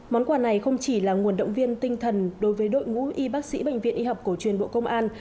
món quà này không chỉ là nguồn động viên tinh thần đối với đội ngũ y bác sĩ bệnh viện y học cổ truyền bộ công an